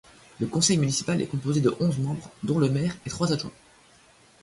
Le conseil municipal est composé de onze membres, dont le maire et trois adjoints.